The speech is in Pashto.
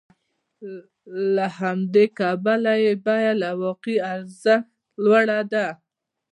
له همدې کبله یې بیه له واقعي ارزښت لوړه ده